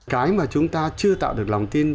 cái mà chúng ta chưa tạo được lòng tin